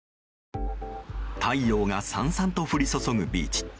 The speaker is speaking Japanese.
太陽がさんさんと降り注ぐビーチ。